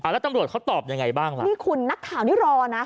แล้วตำรวจเขาตอบยังไงบ้างวะนี่คุณนักข่าวนี่รอนะ